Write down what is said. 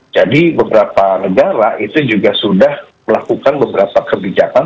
jadi beberapa negara itu juga sudah melakukan beberapa kebijakan